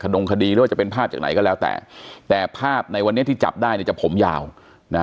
ดงคดีหรือว่าจะเป็นภาพจากไหนก็แล้วแต่แต่ภาพในวันนี้ที่จับได้เนี่ยจะผมยาวนะ